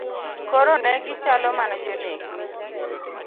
Koro negi chalo mana jonekni.